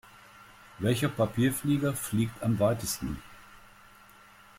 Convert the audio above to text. Welcher Papierflieger fliegt am weitesten?